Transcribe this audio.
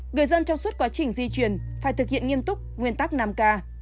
người dân trong suốt quá trình di chuyển phải thực hiện nghiêm túc nguyên tắc năm k